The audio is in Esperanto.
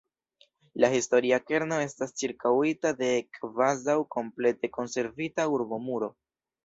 La historia kerno estas ĉirkaŭita de kvazaŭ komplete konservita urbomuro.